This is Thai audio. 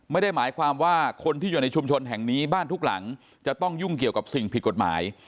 ไม่ได้หมายความว่าคนที่อยู่ในชุมชนแห่งนี้บ้านทุกหลังจะต้องยุ่งเกี่ยวกับสิ่งผิดกฎหมาย